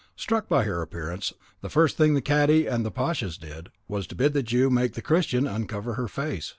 Struck by her appearance, the first thing the cadi and the pashas did, was to bid the Jew make the Christian uncover her face.